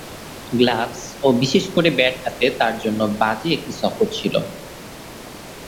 Gloves এবং বিশেষ করে ব্যাট হাতে তার জন্য বাজে একটি সফর ছিল।